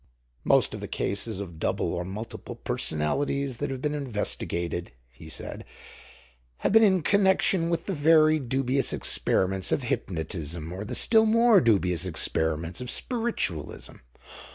"Most of the cases of double or multiple personality that have been investigated," he said, "have been in connection with the very dubious experiments of hypnotism, or the still more dubious experiments of spiritualism.